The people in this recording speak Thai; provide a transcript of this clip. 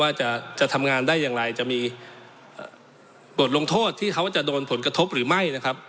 ว่าจะทำงานได้อย่างไรจะมีบทลงโทษที่เขาจะโดนผลกระทบหรือไม่นะครับ